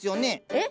えっ！